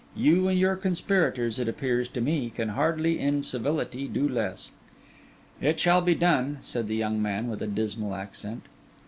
You and your conspirators, it appears to me, can hardly in civility do less.' 'It shall be done,' said the young man, with a dismal accent.